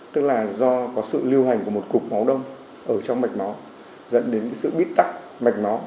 tức là do có sự lưu hành của một cục máu đông ở trong mạch máu dẫn đến sự bít tắc mạch máu